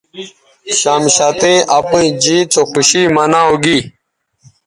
شمشتئ اپئیں جیت سو خوشی مناؤ گی